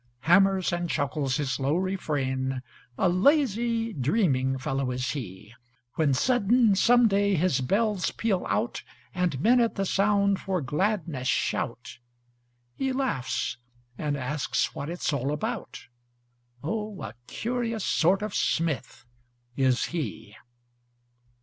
Hammers and chuckles his low refrain, A lazy, dreaming fellow is he: When sudden, some day, his bells peal out, And men, at the sound, for gladness shout; He laughs and asks what it's all about; Oh, a curious sort of smith is he.